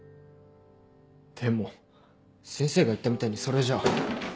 でも先生が言ったみたいにそれじゃあ。